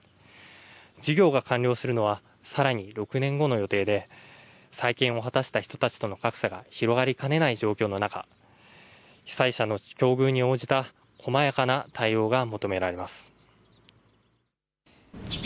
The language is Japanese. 事業が完了するのはさらに６年後の予定で再建を果たした人たちとの格差が広がりかねない状況の中、被災者の境遇に応じた細やかな対応が求められます。